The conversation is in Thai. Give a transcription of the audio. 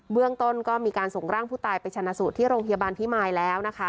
เรื่องต้นก็มีการส่งร่างผู้ตายไปชนะสูตรที่โรงพยาบาลพิมายแล้วนะคะ